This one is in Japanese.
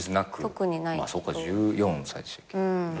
そっか１４歳でしたっけ。